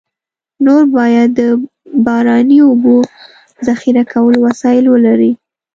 نور باید د باراني اوبو ذخیره کولو وسایل ولري.